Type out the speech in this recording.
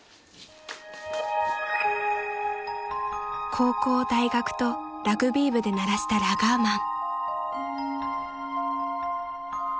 ［高校大学とラグビー部でならしたラガーマン］